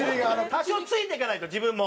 多少ついていかないと自分も。